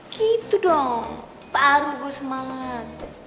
gitu dong baru gue semangat